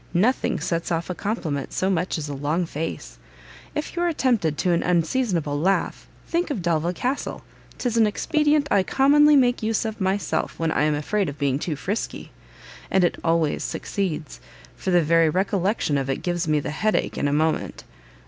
Nothing sets off a compliment so much as a long face. If you are tempted to an unseasonable laugh, think of Delvile Castle; 'tis an expedient I commonly make use of myself when I am afraid of being too frisky: and it always succeeds, for the very recollection of it gives me the head ache in a moment.